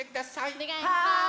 おねがいします。